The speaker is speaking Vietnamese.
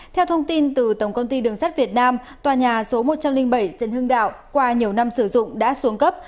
theo thông tin từ tổng công ty đường sắt việt nam tòa nhà số một trăm linh bảy trần hưng đạo qua nhiều năm sử dụng đã xuống cấp